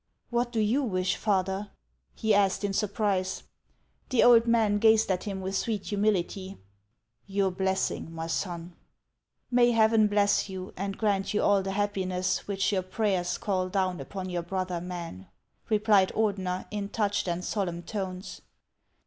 " What do you wish, father ?" he asked in surprise. The old man gazed at him with sweet humility :" Your blessing, my son." 470 HANS OF ICELAND. " May Heaven bless you, and grant you all the happi ness which your prayers call down upon your brother men!" replied Ordener, in touched and solemn tones.